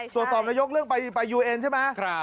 ตรวจสอบนายกเรื่องไปยูเอ็นใช่ไหม